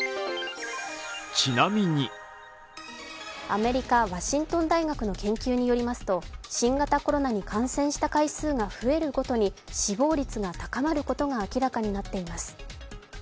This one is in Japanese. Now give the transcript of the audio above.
アメリカ・ワシントン大学の研究によりますと新型コロナに感染した回数が増えるごとに死亡率が高まることが明らかになっています。